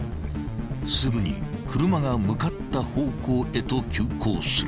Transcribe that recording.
［すぐに車が向かった方向へと急行する］